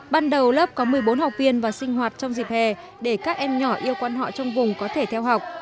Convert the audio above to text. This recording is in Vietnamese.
ban đầu lớp có một mươi bốn học viên và sinh hoạt trong dịp hè để các em nhỏ yêu quan họ trong vùng có thể theo học